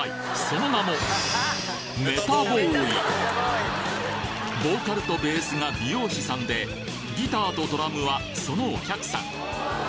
その名もボーカルとベースが美容師さんでギターとドラムはそのお客さん